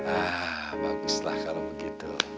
ah baguslah kalo begitu